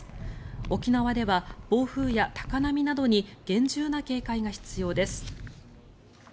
沖縄では暴風や高波などに厳重な警戒が必要です。